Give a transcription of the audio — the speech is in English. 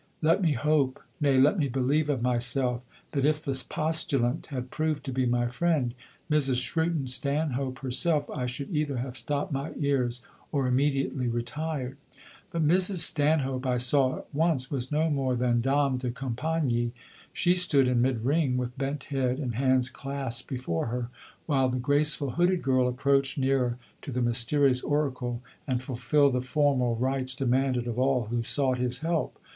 Let me hope, nay, let me believe of myself that if the postulant had proved to be my friend, Mrs. Shrewton Stanhope, herself, I should either have stopped my ears or immediately retired. But Mrs. Stanhope, I saw at once, was no more than dame de compagnie. She stood in mid ring with bent head and hands clasped before her while the graceful, hooded girl approached nearer to the mysterious oracle and fulfilled the formal rites demanded of all who sought his help.